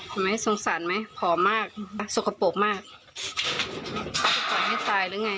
เห็นไหมสงสัยไหมผอมมากสุขปบมากจะต่อให้ตายหรือไง